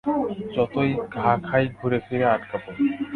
যতই ঘা খাই ঘুরে ফিরে আটকা পড়ি।